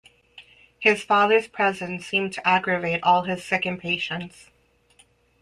His father’s presence seemed to aggravate all his sick impatience.